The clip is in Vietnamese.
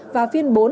và phiên bốn